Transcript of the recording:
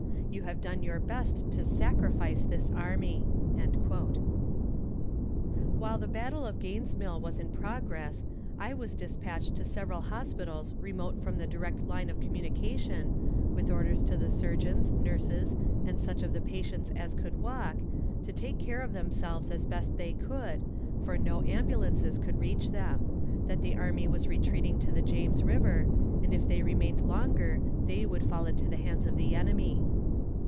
You have done your best to sacrifice this army." While the battle of Gaines' Mill was in progress, I was despatched to several hospitals remote from the direct line of communication, with orders to the surgeons, nurses, and such of the patients as could walk, to take care of themselves as best they could, for no ambulances could reach them; that the army was retreating to the James River, and if they remained longer they would fall into the hands of the enemy.